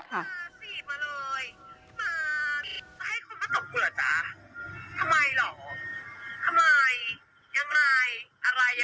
ทำไมหรอทำไมยังไงอะไรยังไงมาสีบมาเลยมาเลย